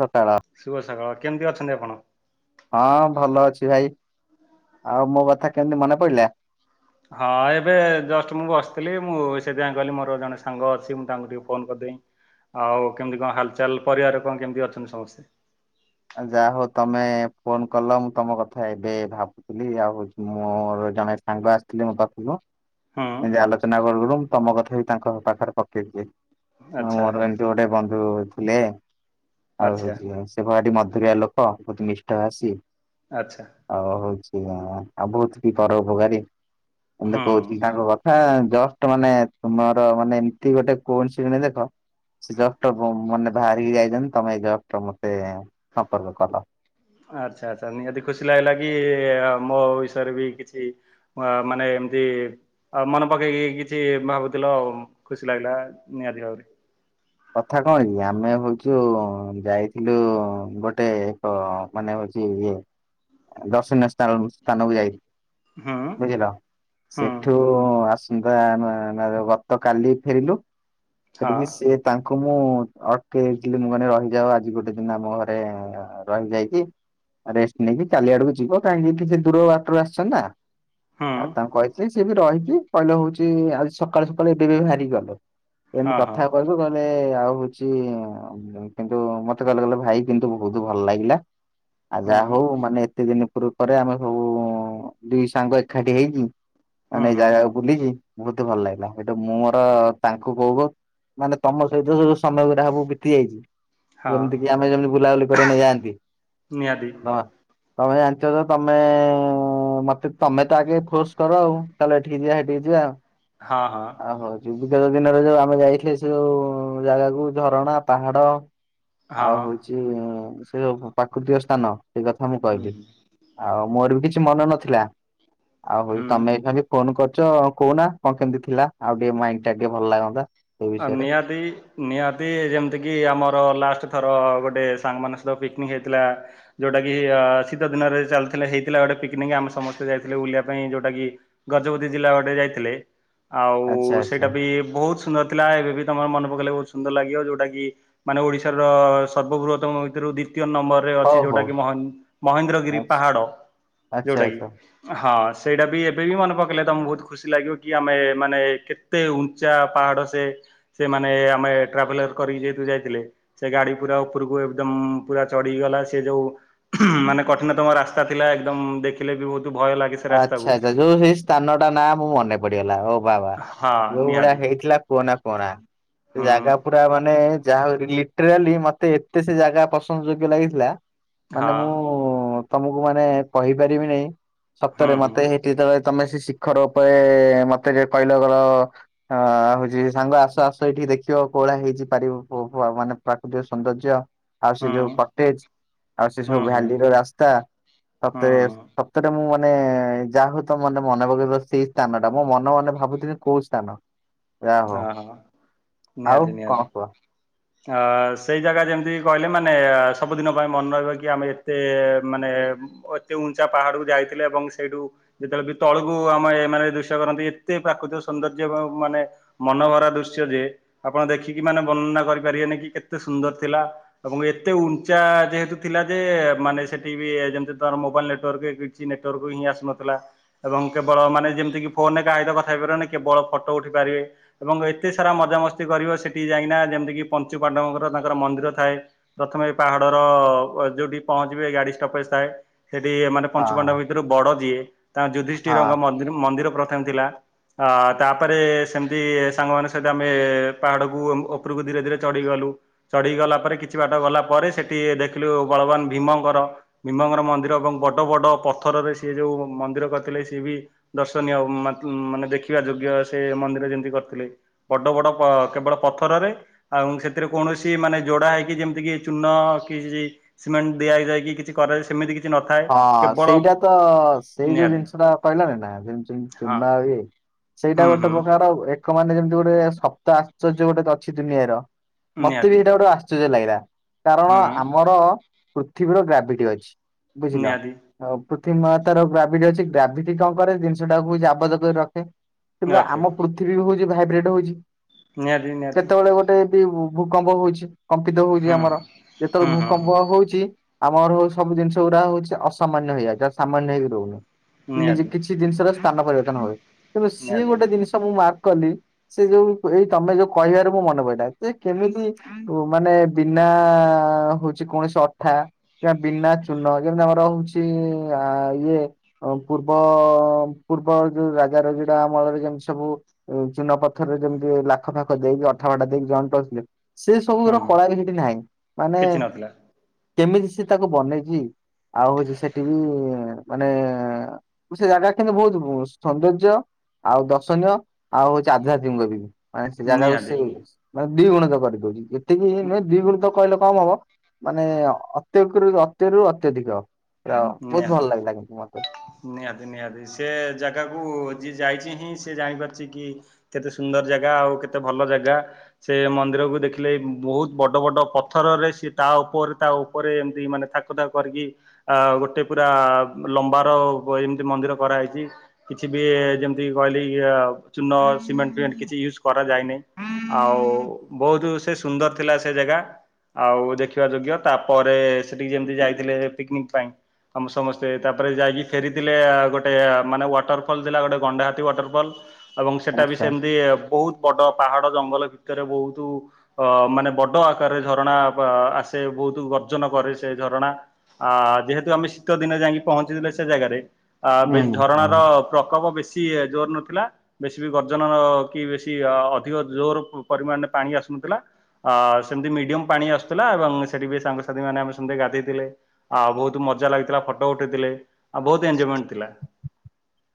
ସକାଳ ଶୁଭସକାଳ କେମିତି ଅଛନ୍ତି ଆପଣ? ହଁ ହଁ ଭଲ ଅଛି ଭାଇ ଆଉ ମୋ କଥା କେମତି ମନେ ପଡିଲା? ହଁ ଏବେ ଜଷ୍ଟ ମୁଁ ବସିଥିଲି ମୁଁ ସେଥିପାଇଁ କହିଲି ମୋର ଜଣେ ସାଙ୍ଗ ଅଛି ମୁଁ ତାଙ୍କୁ ଟିକେ ଫୋନ କରିଦିଏ। ଆଉ କେମିତି କଣ ହାଲଚାଲ ପରିବାରରେ କଣ କେମିତି ଅଛନ୍ତି ସମସ୍ତେ? ଯାହା ହଉ ତମେ ଫୋନ କଲ ମୁଁ ତମ କଥା ଏବେ ଭାବୁଥିଲି ଆଉ ମୋର ଜଣେ ସାଙ୍ଗ ଆସିଥିଲେ ମୋ ପାଖକୁ ହୁଁ ଏମିତି ଆଲୋଚନା କରୁଥିଲୁ ମୁଁ ତମ କଥା ବି ତାଙ୍କ ପାଖରେ ପକେଇଛି ଆଚ୍ଛା ମୋର ଏମିତି ଗୋଟେ ବନ୍ଧୁ ଥିଲେ ଆଉ ଆଚ୍ଛା ମଧୁର ଲୋକ ବହୁତ ମିଷ୍ଟ ଭସି ଆଚ୍ଛା ଆଉ ହଉଛି ଆଉ ବହୁତ ଟିକେ ପରଉପକାରୀ ଏମତି ହୁଁ। କହୁଥିଲି ତାଙ୍କ କଥା ଜଷ୍ଟ ମାନେ ତୁମର ମାନେ ଏମତି ଗୋଟେ କୌଣସି ଜଣ ଦେଖ ସେ ଏଗାର ଟା ମାନେ ବାହାରିକି ଯାଇଛନ୍ତିଛନ୍ତି ତମେ ଏଇ ଏଗାର ଟା ମତେ ସମ୍ପର୍କ କଲ। ଆଚ୍ଛା ଆଛା ନିହାତି ଖୁସି ଲାଗିଲା କି ମୋ ବିଷୟରେ ବି କିଛି ମାନେ ଏମତି ଆଉ ମନେ ପକେଇକି କିଛି ଭାବୁଥିଲ ଆ ଖୁସି ଲାଗିଲା ନିହାତି ଭାବରେ। କଥା କଣ କି ଆମେ ହଉଛୁ ଯାଇଥିଲୁ ଗୋଟେ ଏକ ମାନେ କି ଇଏ ଦର୍ଶନୀୟ ସ୍ଥାନ ସ୍ଥାନକୁ ଯାଇ ହୁଁ ବୁଝିଲ ହୁଁ ସେଠୁ ଆସ ଗତ କାଲି ଫେରିଲୁ ହଁ ଫେରିକି ସ ତା ମୁଁ ଅଟକେଇଥିଲି ମୁଁ କ ରହିଯାଉ ଆଜି ଗୋଟେ ଦିନ ଆମ ଘରେ ରହିଯାଇକି। ରେଷ୍ଟ ନେଇକି ଚାଲି ଆଡକୁ ଯିବ କାହିଁକି କି ସେ ଦୂର ବାଟରୁ ଆସିଛନ୍ତିନ୍। ହୁଁ ଆଉ ତାଙ୍କୁ କହିଥିଲି ସିଏ ବି ରହିକି କହିଲେ ହଉଛି ଆଜି ସକାଳୁ ସକାଳୁ ଏବେ ବି ହାରିଗଲ। ଏମିତି ହଁ ହଁ କଥା କହି। କହିଲେ ଆଉ ହଉଛି କିନ୍ତୁ ମତେ କହିଲେ କଲେ ଭାଇ କିନ୍ତୁ ବହୁତ ଭଲ ଲାଗିଲା। ଆ ହୁଁ ଯାହା ହଉ ମାନେ ଏତେ ଦିନ ପୂର୍ବ ପରେ ଆମେ ସବୁ ଦିଇ ସାଙ୍ଗ ଏକାଠି ହେଇକି? ହୁଁ ମାନେ ଏ ହୁଁ ଜାଗାକୁ ବୁଲିକି ବହୁତ ଭଲ ଲାଗିଲା ସେଇଟୁ ମୁଁ ମୋର ତାଙ୍କୁ କହୁ ମାନେ ତମ ସହିତ ଯ ସମୟ ଗୁରା ସବୁ ବିତି ଯାଇଚି ହଁ। ଯେମିତି କି ଆମେ ଯେମିତି ବୁଲାବୁଲି କରିବା ନେଇଯାଆନ୍ତି। ନିହାତି। ତମେ ଜାଣିଥିବ ତ ତମେ ହ ମତେ ତମେ ତ ଆଗେ ଫୋର୍ସ କର ଆଉ ଚାଲ ଏଠିକି ଯିବା ହେଠିକି ଯିବା ଆଉ। ହଁ ହଁ। ହଉଛି ବିଗତ ଦିନରେ ଯୋଉ ଆମେ ଯାଇଥିଲେ ସେଉ ଜାଗାକୁ ଝରଣା ପାହାଡ। ହଁ ଆଉ ହଉଚି ସେ ଯୋଉ ପ୍ରାକୃତିକ ସ୍ଥାନ। ସେଇ କଥା ମୁଁ ହୁଁ କଇଲି ଆଉ ମୋର ବି କିଛି ମନ ନଥିଲା। ଆଉ ହଉ ହୁଁ। ତମେ ଖାଲି ଫୋନ କରି ଚ କହୁନା କଣ କେମିତି ଥିଲା ଆଉ ଟିକେ ମାଇଣ୍ଡ ଟା ଟିକେ ଭଲ ଲାଗନ୍ତା। ସେଇ ଆ ବିଷୟରେ ନିହାତି ନିହାତି ଯେମିତି କି ଆମର ଲାଷ୍ଟ ଥର ଗୋ ଟେ ସାଙ୍ଗମାନଙ୍କ ସହିତ ପିକନିକ ହେଇଥିଲା ଯୋଉଟା କି ଶୀତ ଦିନରେ ଚାଲିଥିଲା ହେଇଥିଲା ଗୋଟେ ପିକିନିକ ଆମ ସମସ୍ତେ ଯାଇଥିଲେ ବୁଲି ପାଇଁ ଯୋଉଟା କି ଗଜପତି ଜିଲ୍ଲା ଗଟେ ଯାଇଥିଲେ। ଆଉ ଆଚ୍ଛା ଆଚ୍ଛା ସେଇଟା ବି ବହୁତ ସୁନ୍ଦର ଥିଲା ଏବେ ବି ତମର ମନେ ପକେଇଲେ ବହୁତ ସୁନ୍ଦର ଲାଗିବ ଯୋଉଟା କି ମାନେ ଓଡିଶାର ସର୍ବବୃହତ୍ତମ ଭିତରୁ ଦି ତିୟ ନମ୍ବରରେ ଅଛି ହଉ ଯୋଉଟା ହଉ କି ମହେ ମହେନ୍ଦ୍ରଗିରି ଆଚ୍ଛା ପାହାଡ। ଆଚ୍ଛା ଯୋଉଟା କି ଆଚ୍ଛା। ହଁ। ସେଇଟା ବି ଏବେ ବି ମନେ ପକାଇଲେ ତମକୁ ବହୁତ ଖୁସି ଲାଗିବ କି ଆମେ ମାନେ କେତେ ଉଞ୍ଚା। ପାହାଡ ସେ ସେମାନେ ଆମେ ଟ୍ରାଭେଲର କରିକି ଯେହତୁ ଯାଇଥିଲେ ସେ ଗାଡି ପୁରା ଉପରକୁ ଏକଦମ୍ ପୁରା ଚଢିଗଲା ସେ ଯୋଉ ମାନେ କଠିନତମ ରାସ୍ତା ଥିଲା ଏକଦମ୍ ଦେଖିଲେ ବି ବହୁତ ଭୟ ଲାଗେ ସେ ରାସ୍ତାକୁ ଆଚ୍ଛା ଆଚ୍ଛା ଯୋଉ ସେଇ ସ୍ଥାନ ଟା ନା ମୁଁ ମନେ ପଡିଗଲା ଓ ବାବା। ହଁ ଯୋଉ ଭଳିଆ ନିହାତି ହେଇଥିଲା କୁହନା କୁହନା ସେ ହୁଁ ଜାଗା ପୁରା ମାନେ ଯାହା ହଉ ଲିଟରାଲି ମତେ ଏତେ ସେ ଜାଗା ପସନ୍ଦ ଯୋଗ୍ୟ ଲାଗିଥିଲା। ହଁ ମାନେ ମୁଁ ତମକୁ ମାନେ କହିପାରିବି ନେଇଁ ହୁଁ ସତରେ ମତେ ହେଇଠି ତଳେ ତମେ ଶିଖର ଉପରେ ମତେ ଯେ କଇଲ ଗର ହଉଚି ସାଙ୍ଗ ଆସ ଆସ ଏଇଠିକି ଦେଖି କୋଳା ହେଇଚି ପାରିବ ମାନେ ପ୍ରାକୃତିକ ସୌନ୍ଦର୍ଯ୍ୟ। ଆଉ ସେ ହୁଁ ଯୋଉ କଟେଜ ଆଉ ସେ ହୁଁ ହୁଁ ଯୋଉ ହୁଁ ଭାଲିର ରାସ୍ତା ହୁଁ ସତରେ ହୁଁ ସତରେ ମୁଁ ମାନେ ଯାହା ହଉ ତ ମାନେ ମନେ ପକେଇବ ସେଇ ସ୍ଥାନ ଟା ମୋ ମନେ ମନେ ଭାବୁଥିଲି କୋଉ ସ୍ଥାନ। ଯା ହଉ ହଁ ହଁ ଆଉ ନିହାତି ନିହାତି କଣ କୁଅ? ଅ ସେଇ ଜାଗା ଯେମିତି କଇଲେ ମାନେ ସବୁଦିନ ପାଇଁ ମନେ ରହିବ କି ଆମେ ଏତେ ମାନେ ଏତେ ଉଞ୍ଚା ପାହାଡକୁ ଯାଇଥିଲେ ଏବଂ ସେଇଠୁ ଯେତେବେଳେ ବି ତଳକୁ ଆମେ ଏମାନେ ଦୃଶ୍ୟ କରନ୍ତି କି ପ୍ରାକୃତିକ ସୌନ୍ଦର୍ଯ୍ୟ ଏବଂ ମାନେ ମନଭରା ଦୃଶ୍ୟ ଯେ ଆପଣ ଦେଖିକି ମାନେ ବର୍ଣ୍ଣନା କରିପାରିବେନି କି କେତେ ସୁନ୍ଦର ଥିଲା ଏବଂ ଏ ଏତେ ଉଞ୍ଚା ଯେହେତୁ ଥିଲା ଯେ ମାନେ ସେଠି ବି ଯେମିତି ତର ମୋବାଇଲ ନେଟୱାର୍କ କିଛି ନେଟୱର୍କ ହିଁ ଆସୁନଥିଲା ଏବଂ କେବଳ ମାନେ ଯେମିତି କି ଫୋନରେ କାହା ସହିତ କଥା ହେଇପାରିବେନି କେବଳ ଫଟୋ ଉଠେ ପାରିବେ। ଏବଂ ଏତେ ସାରା ମଜାମସ୍ତି କରିବ ସେଠି ଯାଇକିନା ଯେମିତି କିି ପଞ୍ଚୁ ପାଣ୍ଡବଙ୍କର ତାଙ୍କର ମନ୍ଦିର ଥାଏ ପ୍ରଥ ମେ ଏଇ ପାହାଡର ଯୋଉଠି ପହଞ୍ଚିବେ ଗାଡି ଷ୍ଟପେଜ ଥାଏ। ସେଠି ମାନେ ହଁ ପଞ୍ଚୁପାଣ୍ଡବ ଭିତରୁ ବଡ ଯିଏ ତାଙ୍କ ହଁ। ଯୁଧିଷ୍ଠିର ଙ୍କ ମିନ୍ଦି-ମନ୍ଦିର ପ୍ର ଥମେ ଥିଲା ଅ ତାପରେ ସେମିତି ସାଙ୍ଗ ମାନଙ୍କ ସହିତ ଆମେ ପାହାଡକୁ ଉପରକୁ ଧୀରେ ଧୀରେ ଚଢିଗଲୁ ଚଢିକି ଗଲା ପରେ କିଛି ବାଟ ଗଲା ପରେ ସେଠି ଦେଖିଲୁ ବଳବାନ ଭୀମଙ୍କର ଭୀମଙ୍କର ମନ୍ଦିର ଏବଂ ବଡ ବଡ ପଥରରେ ସିଏ ଯୋଉ ମନ୍ଦିର କରିଥିଲେ ସିଏ ବି ଦର୍ଶନୀୟ ମା-ମାନେ ଦେଖିବା ଯୋଗ୍ୟ ସେ ମନ୍ଦିର ଯେମତି କ ଥିଲେ ବଡ ବଡ ପ କେବଳ ପଥରରେ ଆଉ ସେଥିରେ କୌଣସି ମାନେ ଯୋଡା ହେଇକି ଯେମତି କି ଚୂନ କି ସିମେଣ୍ଟ ଦିଆ ଯାଇକି କିଛି କରାଯାଏ ସେମିତି କି ହଁ ସେଇଟା ତ ସେଇ ଯୋଉ ନିହାତି ଜିନିଷ ଟା କଇଲନି ନା ଯେମିତି ହଁ ଚୁନ ଆଉ ଇଏ। ସେଇଟା ହୁଁ ଗୋଟେ ହୁଁ ପ୍ରକାର ଏ କ ମାନେ ଯେମିତି ଗୋଟେ ସପ୍ତ ଆଶ୍ଚର୍ଯ୍ୟ ଗୋଟେ ଅଛି ଦୁନିଆର ମତେ ନିହାତି ବି ହେଇଟା ଗୋଟେ ଆଶ୍ଚର୍ଯ୍ୟ ଲାଗିଲା। କାରଣ ହୁଁ ଆମର ପୃଥିବୀର ଗ୍ରାଭିଟି ଅଛି ବୁଝିଲ। ନିହାତି ପୃଥିବୀ ମାତାର ଗ୍ରାଭିଟି ଅଛି ଗ୍ରାଭିଟି କଣ କରେ ଜିନିଷଟାକୁ ବି ଜାବତ କରି ରଖେ। କିନ୍ତୁ ରଖେ ଆମ ପୃଥିବୀ ବି ହଉଛି ଭାଇବ୍ରେଟ ହଉଛି। ନିହାତି ନିହାତି କେତେବେଳେ ଗୋଟେ ଭୂକମ୍ପ ହଉଛି କମ୍ପିତ ହଉଛି ହୁଁ ଆମର ଯେତେବେଳେ ହୁଁ ହୁଁ ଭୂକମ୍ପ ହୁଁ ହଉଛି ଆମର ହଉ ସବୁ ଜିନି ଗୁଡା ହଉଛି ଅସାମାନ୍ୟ ହେଇଯାଇଏ ଯାହା ସାମାନ୍ୟ ହେଇକି ରହୁନି। ନିଜ ନିହାତି କିଛି ଜିନିଷର ସ୍ଥାନ ପରିବର୍ତନ ହୁଏ ତେନ୍ତୁ ସିଏ ନିହାତି ଗୋଟେ ଜିନିଷ ମୁଁ ମ କଲି ସେ ଯୋଉ ଏଇ ତମେ ଯୋଉ କହିବାରେ ମୁଁ ମନେ ପଡିଲା ଯେ କେମିତି ମାନେ ବିନା ହଉଛି କୌଣସି ଅଠା କି ବିନା ଶୂନ ଯେମିତି ଆମର ହଉଛି ଇଏ ପୂର୍ବ ପୂର୍ବ ଯୋଉ ଏଗାର ଯଡା ଅମଳରେ ଯେମିତି ସବୁ ଚୁହନ ପଥରରେ ଯେମିତି ଲାଖ ପାାଖ ଦେଇକି ଅଠ ଭଢା ଦେଇକି ଜଣ୍ଟଥିଲେ। ସେ ସବୁର ହୁଁ କଳା ବି ସେଠି ନାହିଁ ମାନେ କିଛି ନଥିଲା କେମିତି ସେ ତାକୁ ବନେଇଛି ଆଉ ହଉଛି ସେଠି ବି ମାନେ ସେ ଜାଗା କିନ୍ତୁ ବହୁତ ସୌନ୍ଦର୍ଯ୍ୟ ଆଉ ଦର୍ଶନୀୟ ଆଉ ଚାଥଙ୍କ ବି ମାନେ ସେ ଜାଗା ନିହାତି ସେ ଦି ଗୁଣିତ କରିଦଉଛି ଏତିକି ନୁହେଁ ଦି ଗୁଣିତ କହିଲେ କମ ହବ ମାନେ ଅତ୍ୟକରୁ ତ ର ଅତ୍ୟଧିକ। ବହୁତ ଭଲ ନିହାତି ଲାଗିଲା କିନ୍ତୁ ମତେ ନିହାତି ନିହାତି ସେ ଜାଗାକୁ ଯି ଯାଇଛି ହିଁ ସେ ଜାଣିପାରୁଛି କି କେତେ ସୁନ୍ଦର ଜାଗା ଆଉ କେତେ ଭଲ ଜାଗା ସେ ମନ୍ଦିର ଦେଖିଲେ ବହୁତ ବଡ ବଡ ପଥରରେ ସେ ତା ଉପରେ ତା ଉପରେ ଏମିତି ମାନେ କଥାକ କରିକି ଆ ଗୋଟେ ପୁରା ଲମ୍ବାର ଏମିତି ମନ୍ଦିର କରାହେଇଛି କିଛି ବି ଯେମିତି ଚୁନ ସିମେଣ୍ଟ କିଛି ୟୁଜ କରାଯାଇନି। ଆଉ ବହୁତ ସେ ସୁନ୍ଦର ଥିଲା ସେ ଜାଗା ଆଉ ଦେଖିବା ଯୋଗ୍ୟ ତାପରେ ସେଠିକି ଯେମତି ଯାଇଥିଲେ ପିକନିକ ପାଇଁ ତମ ସମସ୍ତେ ତାପରେ ଯାଇକି ଫେରିଥିଲେ ଗୋଟେ ମାନେ ୱାଟର ଫଲ ଥିଲା ଗୋଟେ ଗଣ୍ଡାହାତୀ ୱାଟରଫଲ ଏବଂ ସେଟା ବି ଆଚ୍ଛା ସେମିତି ବହୁତ ବଡ ପାହାଡ ଜଙ୍ଗଲ ଭିତରେ ବହୁତ ଅ ମାନେ ବଡ ଆକାରରେ ଝରଣା ଆସେ ବହୁତ ଗର୍ଜନ କରେ ସେ ଝରଣା ଆ ଯେହେତୁ ଆମେ ଶୀତ ଦିନେ ଯାଇକି ପହଞ୍ଚିଥିଲେ ସେ ଜାଗାରେ ବେଶ ହୁଁ ହଁ। ଝରଣାର ପ୍ରକୋପ ବେଶୀ ବ ଜୋର ନଥିଲା ବେଶୀ ବି ଗର୍ଜନ କି ବେଶୀ ଅଧିକ ଜୋର ପରିମାଣରେ ପାଣି ଆସୁ କଥିଲା ଅ ସେମିତି ମିଡିୟମ ପାଣି ଆସୁଥିଲା ଏବଂ ସେଠି ବି ସାଙ୍ଗସାଥି ମାନେ ଆମେ ସେମିତି ଗାଧେଇଥିଲେ ଆ ବହୁତ ବହୁ ମଜା ଲାଗିଥିଲା ଫଟୋ ଉଠେଇଥିଲେ ଆଉ ବହୁତ ଏଜମେଣ୍ଟ ଥିଲା।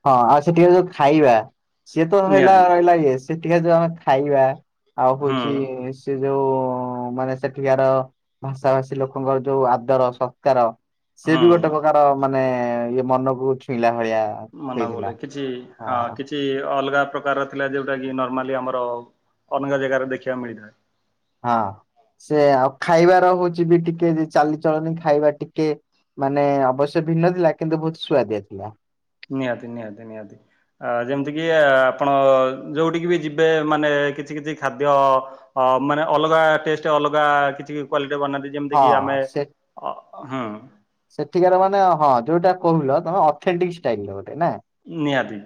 ହଁ ଆଉ ସେଠିକ ଯୋଉ ଖାଇବା ସିଏ ତ ହେହଲା ନିହାତି ରହିଲା ଇଏ ସେ ଟିକେ ଯୋଉ ଆମେ ଖାଇବା ଆଉ ହୁଁ ହଉଛି ସେ ଯୋଉ ମାନେ ସେଠିକାର ଭାଷା ଭାଷୀ ଲୋକଙ୍କର ଯୋଉ ଆଦର ସଂସ୍କାର ସି ବି ହୁଁ। ଗୋଟେ ପ୍ରକାର ମାନେ ଇଏ ମନକୁ ଛୁଇଁଲା ଭଳିଆ ମାନେ ବୋଲେ ହେଇଥିଲା କିଛି ହଁ କିଛି ଅଲଗା ପ୍ରକାରର ଥିଲା ଯୋଉଟା କି ନର୍ମାଲି ଆମର ଅନେଗା ଜାଗାରେ ଦେଖିବାକୁ ମିଳିଥାଏ। ହଁ ସେ ଆଉ ଖାଇବାର ହଉଛି ବି ଟିକେ ଚାଲିଚଳନି ଖାଇବା ଟିକେ ମାନେ ଅବଶ୍ୟ ଭିନ୍ନ ଥିଲା କିନ୍ତୁ ବହୁତ ସୁଆଦିଆ ଥିଲା। ନିହାତି ନିହାତି ନିହାତି ଆ ଯେମିତି କିି ଆପଣ ଯୋଉଠିକି ବି ଯିବେ ମାନେ କିଛି କିଛି ଖାଦ୍ୟ ମାନେ ଅଲଗା ଟେଷ୍ଟ ଅଲଗା କିଛି କା ନାହାନ୍ତି ଯେମିତି ହଁ କିି ଆମେ ସେ ଅ ହୁଁ। ସେଠିକାର ମାନେ ହଁ ଯୋଉଟା କହୁିଲ ତମେ ଅଥେଣ୍ଟିକ୍ ଷ୍ଟାଇଲ ଗୋଟେ ନା। ନିଆଦ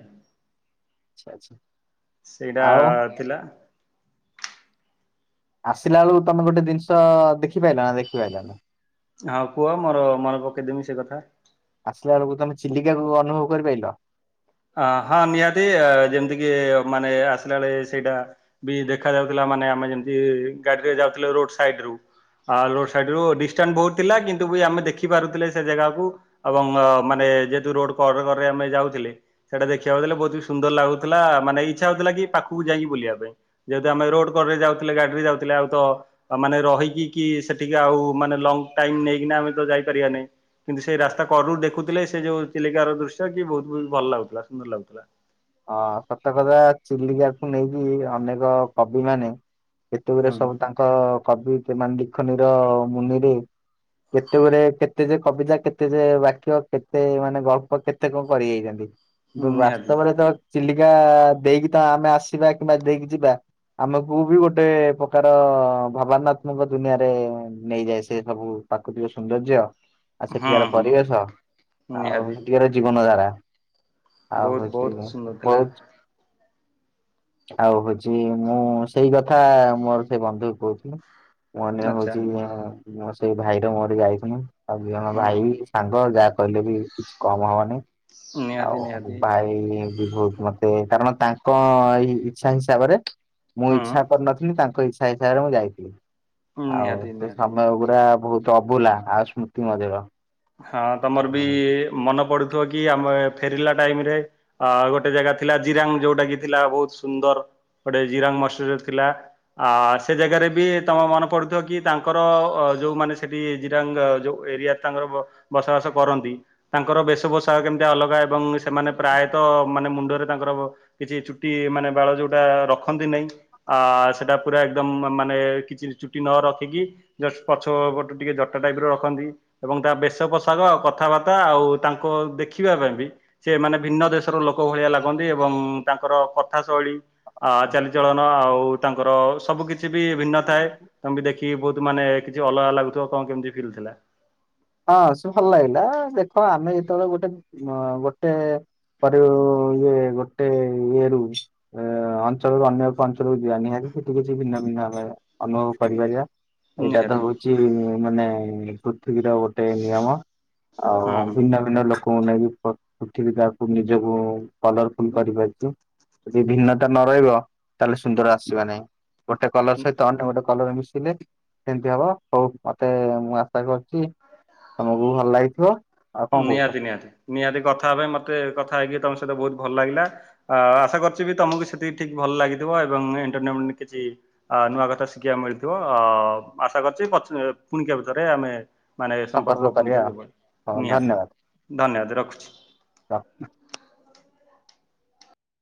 ଆଛା ଆଛା। ସେଇଟା ଥିଲା। ଆସିଲା ବେଳକୁ ତମେ ଗୋଟେ ଜିନିଷ ଦେଖିପାରଲ ନା ଦେଖିପାରଲ ନା। ହଁ କୁହ ମୋର ମନେ ପକେଇଦମି ସେ କଥା ଆସିଲା ବେଳକୁ ତମେ ଚିଲିକାକୁ ଅନୁଭବ କରିପାରିଲ? ଅ ହଁ ନିହାତି ଯେମିତି କିି ମାନେ ଆସିଲା ବେଳେ ସେଇଟା ବି ଦେଖ ଯାଉଥିଲା। ମାନେ ଆମେ ଯେମତି ଗାଡିରେ ଯାଉଥିଲେ ରୋଡ ସାଇଡ ରୁ ଆ ରୋଡ ସାଇଡ ରୁ ଡିଷ୍ଟାନ୍ସ ବହୁତ ଥିଲା କିନ୍ତୁ ବି ଆମେ ଦେଖି ପାରୁଥିଲେ ସେ ଜାଗାକୁ ଏବଂ ମାନେ ଯେହେତୁ ରୋଡ କର କରେ ଆମେ ଯାଉଥିଲେ। ସେଇଟା ଦେଖିବାକୁ ଦେଲେ ବହୁତ ବି ସୁନ୍ଦର ଲାଗୁଥିଲା ମାନେ ଇଚ୍ଛା ହଉଥିଲା କି ପାଖକୁ ଯାଇକି ବୁଲିବା ପାଇଁ ଯେହେତୁ ଆମେ ରୋଡ ଯାଉଥିଲେ ଗାଡିରେ ଯାଉଥିଲେ ଆଉ ତ ମାନେ ରହିକି କି ସେଠିକି ଆଉ ମାନେ ଲ ଟାଇମ ନେଇକିନା ତ ଯାଇପାରିବା ନାହିଁ କିନ୍ତୁ ସେଇ ରାସ୍ତା କରରୁ ଦେଖୁଥିଲେ ସେ ଯୋଉ ଚିଲିକାର ଦୃଶ୍ୟ କି ବହୁତ ଭଲ ଲାଗୁଥିଲା। ଭ ସୁନ୍ଦର ଲାଗୁଥିଲା। ହଁ ସତ କଥା ଚିଲିକାକୁ ନେଇକି ଅନେକ କବି ମାନେ କେତେ ଗୁରେ ସବୁ ହଁ। ତାଙ୍କ କବି ସେମାନେ ଲିଖନୀର ମୁନିରେ କେତେ ଗୁଡେ କେତେ ଯେ କବିତା କେତେ ଯେ ବାକ୍ୟ କେତେ ମାନେ ଗଳ୍ପ କେତେ କଣ କରି ଯାଇଛନ୍ତି। ନିହାତି ବାସ୍ତବରେ ତ ଚିଲିକା ଦେଇକି ତ ଆମେ ଆସିବା କିମ୍ବା ଦେଇକି ଯିବା ଆମକୁ ବି ଗୋଟେ ପ୍ରକାର ଭାବନାତ୍ମକ ଦୁନିଆରେ ନେଇଯାଏ ସେ ସବୁ ପ୍ରାକୃତିକ ସୌନ୍ଦର୍ଯ୍ୟ ଆଉ ହଁ ସେଠିକାର ହଁ ପରିବେଶ ଆଉ ନିହାତି ସେଠିକାର ଜୀବନ ଧାରା ବହୁତ ବହୁତ ସୁନ୍ଦର। ଥିଲା। ହହୁତ ଆଉ ହଉଛି ମୁଁ ସେଇ କଥା ମୋର ସେଇ ବନ୍ଧୁ କହୁଥିଲି। ମନେ ଆଚ୍ଛା ହଉଛି ମୋ ସେଇ ଭାଇର ମୋରେ ଯାଇଥିଲ ଆଉ ଦୁଇ ଜଣ ହଁ ଭାଇ ହଁ ସାଙ୍ଗ ଯାହା କହିଲେ ବି କିଛି କମ ହବନି। ନିହାତି ଆଉ ନିହାତି ଭାଇ ବହୁତ ମତେ କାରଣ ତାଙ୍କ ଏଇ ଇଚ୍ଛା ହିସାବରେ ମୁଁ ହଁ ଇଚ୍ଛା କରିନଥିଲି ତାଙ୍କ ଇଚ୍ଛା ହିସାବରେ ମୁଁ ଯାଇଥିଲି। ଆଉ ନିହାତି ସେ ନିହାତି। ସମୟ ଗୁଡା ବହୁତ ଅଭୁଲା ଆଉ ସ୍ମୃତି ମଧ୍ୟ। ହଁ ତମର ବି ମନେ ପଡୁଥିବ କି ଆମେ ଫେରିଲା ଟାଇମ ରେ ଅ ଗୋଟେ ଜାଗା ଥିଲା ଜିରାଙ୍ଗ ଯୋଉଟା କି ଥିଲା ବହୁତ ସୁନ୍ଦର। ଗୋଟେ ଜିରାଙ୍ଗ ମସଦ ଥିଲା ଆ ସେ ଜାଗାରେ ବି ତମେ ମନେ ପଡୁଥିବ କି ତାଙ୍କର ଯୋଉମାନେ ସେଠି ଜିରାଙ୍ଗ ଯୋ ଏରିଆରେ ତାଙ୍କର ବସବାସ କରନ୍ତି ତାଙ୍କର ବେଶଭୂଷା କେମିତି ଅଲଗା ଏବଂ ସେମାନେ ପ୍ରାୟତଃ ମାନେ ମୁଣ୍ଡ ରେ ତାଙ୍କର କିଛି ଚୁଟି ମାନେ ବାଳ ଯୋଉଟା ରଖନ୍ତି ନାାଇଁ ଆ ସେଟା ପୁରା ଏକଦମ ମାନେ କିଛି ଚୁଟି ନ ରଖିକି ପଛୁ ଟିକେ ଜଟା ଟାଇପ ର ରଖନ୍ତି ଏବଂ ତା ବ ଦେଶ ପୋଷାକ କଥାବାର୍ତ୍ତା ଆଉ ତାଙ୍କ ଦେଖିବା ପାଇଁ ବି ସେମାନେ ଭିନ୍ନ ଦେଶର ଲୋକ ଭଳିଆ ଲାଗନ୍ତି। ଏବଂ ତାଙ୍କର କଥା ଶୈଳୀ ଚାଲିଚଳନ ଆଉ ତାଙ୍କର ସବୁ କିଛି। କିଛି ବି ଭିନ୍ନ ଥାଏ ତମେ ବି ଦେଖିକି ବହୁତ ମାନେ କିଛି ଅଲଗା ଲାଗୁଥିବ। କଣ କେମତି ଫିଲ୍ ଥିଲା? ହଁ ସେ ଭଲ ଲାଗିଲା ଦେଖ ଆମେ ଯେତେବେଳେ ଗୋଟେ ଗୋଟେ ପରେ ଇଏ ଗୋଟେ ଇଏ ରୁ ଅଞ୍ଚଳରୁ ଅନ୍ୟ ଏକ ଅଞ୍ଚଳକୁ ଯିବା ନିହାତି ସେଠୀ କିଛି ଭିନ୍ନ ଭିନ୍ନ ଆମେ ପାଇବା। ଅନୁଭବ କରିପାରିବା ଏଇଟା ତ ନିହାତି ହଉଛି ମାନେ ପୃଥୀବିର ଗୋଟେ ନିୟମ ହୁଁ ଆଉ ହୁଁ ଭିନ୍ନ ଭିନ୍ନ ଲୋକ ଙ୍କୁ ନେଇକି ଉଠିକି ତାକୁ ନିଜକୁ କଲରଫୁଲ କରିପାରିବେ। ଯଦି ଭିନ୍ନତା ନ ରହିବ ତାହେଲେ ସୁନ୍ଦର ଆସିବ ନାହିଁ। ଗୋଟେ କଲର ସହିତ ଅନ୍ୟ ଗୋଟେ କଲର ମିଶିଲେ ସେମିତି ହବ ହଉ ମତେ ମୁଁ ଆଶା କରୁଛି ତମକୁ ଭଲ ଲାଗିଥିବ? ଆଉ କଣ କହୁଛ ନିହାତି ନିହାତି ନିହାତି କଥା ହେବା ପାଇଁ ମତେ କଥା ହେଇକି ତମ ସହିତ ବହୁତ ଭଲ ଲାଗିଲା ଆଶା କରୁଛି ବି ତମକୁ ସେତିକି ଠିକ ଭଲ ଲାଗିଥିବ ଏବଂ ଏଣ୍ଟରଟେନ କିଛି ନୂଆ କଥା ଶିଖିବା ମିଳିଥିବ ଅ ଆଶା କରିଛି ପୁଣିକ ଭିତରେ ଆମେ ମାନେ ଏ ସମ୍ପର୍କ କରିବା ଆଉ ଅପନ୍ତରେ ହଉ ନିହାତି ଧନ୍ୟବାଦ। ଧନ୍ୟବାଦ ରଖୁଛି।